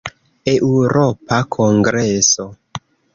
Eŭropa kongreso.